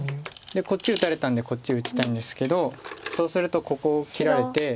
こっち打たれたんでこっち打ちたいんですけどそうするとここ切られて。